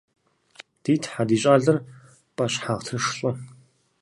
Ди Тхьэ, ди щӏалэр пӏэщхьагъ тынш щӏы!